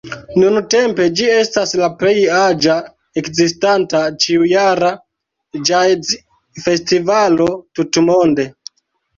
Nuntempe ĝi estas la plej aĝa ekzistanta, ĉiujara ĵazfestivalo tutmonde.